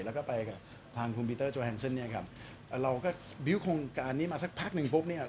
แล้วก็ไปกับทางคุณปีเตอร์โจแฮนเซ่นเนี่ยครับเราก็บิวต์โครงการนี้มาสักพักหนึ่งปุ๊บเนี่ย